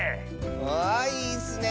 わあいいッスね！